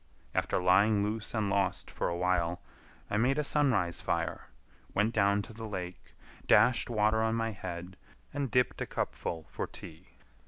After lying loose and lost for awhile, I made a sunrise fire, went down to the lake, dashed water on my head, and dipped a cupful for tea.